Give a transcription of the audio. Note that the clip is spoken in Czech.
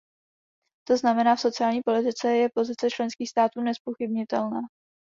To znamená v sociální politice je pozice členských států nezpochybnitelná.